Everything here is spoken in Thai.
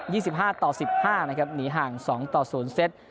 ี่สิบห้าต่อสิบห้านะครับหนีห่างสองต่อศูนย์เซต